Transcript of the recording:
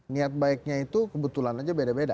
niat baiknya itu kebetulan aja beda beda